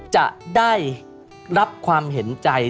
จะได้รับความเห็นใจ